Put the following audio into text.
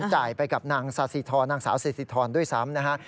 จ่ายไปกับนางสาวซิสิทธัลด้วยซ้ำนะฮะ